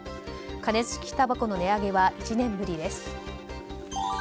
加熱式たばこの値上げは１年ぶりです。